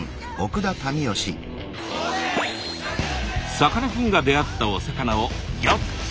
さかなクンが出会ったお魚をギョっち！